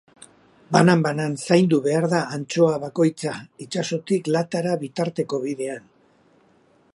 Banan-banan zaindu behar da antxoa bakoitza, itsasotik latara bitarteko bidean.